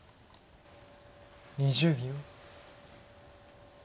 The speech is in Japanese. ２０秒。